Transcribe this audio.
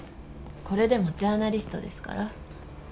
これでもジャーナリストですから。